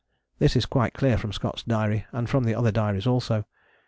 This is quite clear from Scott's diary, and from the other diaries also.